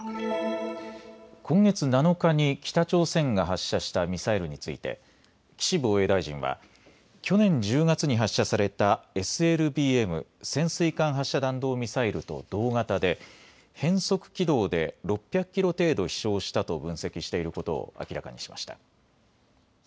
今月７日に北朝鮮が発射したミサイルについて岸防衛大臣は去年１０月に発射されたＳＬＢＭ・潜水艦発射弾道ミサイルと同型で変則軌道で６００キロ程度飛しょうしたと分析していることを明らかにしました。